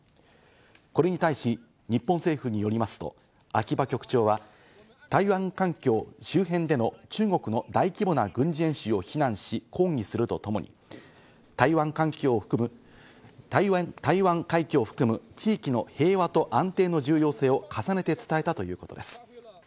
これに対し日本政府によりますと秋葉局長は、台湾海峡周辺での中国の大規模な軍事演習を非難し、抗議するとともに台湾海峡を含む地域の平和と安定の重要性を重ねて伝えたということです。